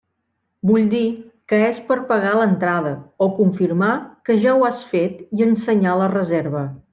Vull dir que és per pagar l'entrada o confirmar que ja ho has fet i ensenyar la reserva.